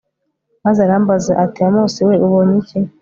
maze arambaza ati amosi we ubonye iki